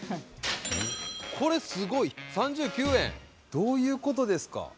どういうことですか。